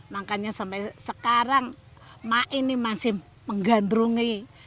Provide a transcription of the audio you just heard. makanya sampai sekarang mak ini masih menggandrungi